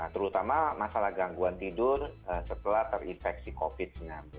terutama masalah gangguan tidur setelah terinfeksi covid sembilan belas